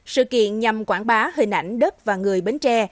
sự kiện nhằm quảng bá hình ảnh đất và người bến tre